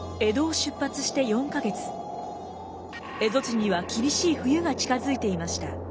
蝦夷地には厳しい冬が近づいていました。